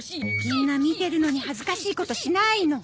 みんな見てるのに恥ずかしいことしないの。